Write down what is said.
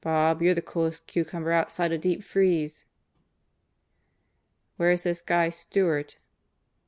"Bob, you're the coolest cucumber outside a deep freeze." "Where's this guy, Stewart?"